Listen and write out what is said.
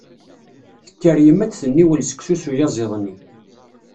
Tekker yemma ad d-tniwel seksu s uyaziḍ-nni.